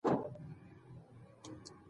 چاپېر یال ساتونکي د طبیعي منابعو اهمیت بیانوي.